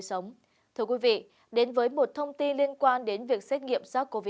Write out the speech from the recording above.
xin mời quý vị đến với phần thông tin trí tiết